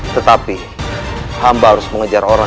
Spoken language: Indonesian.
tetapi hamba harus mengejar orang